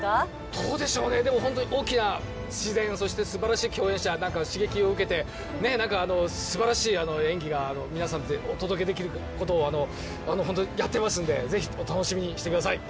どうでしょうね、でも本当に大きな自然、すばらしい共演者に刺激を受けてすばらしい演技が皆さんにお届けできることをやっていますので、是非、お楽しみにしてください。